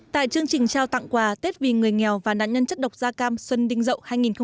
tại chương trình trao tặng quà tết vì người nghèo và nạn nhân chất độc da cam xuân đinh dậu hai nghìn một mươi chín